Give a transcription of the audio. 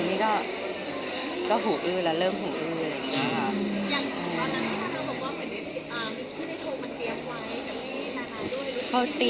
อเรนนี่ว่าพูดข่าวหรือพูดมาอะไร